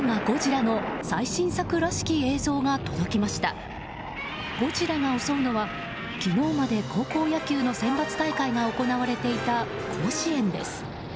ゴジラが襲うのは昨日まで高校野球のセンバツ大会が行われていた甲子園です。